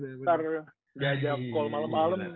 ntar gak jam call malem malem